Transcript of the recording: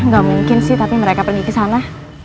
gak mungkin sih tapi mereka pernah pergi ke sana